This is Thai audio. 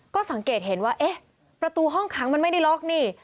ก็สังเกตเห็นว่าเอ๊ะประตูห้องขังมันไม่ได้ล็อกนี่